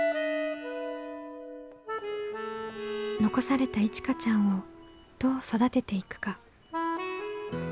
残されたいちかちゃんをどう育てていくか。